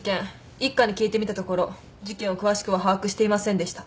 一課に聞いてみたところ事件を詳しくは把握していませんでした。